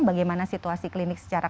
bagaimana situasi klinik secara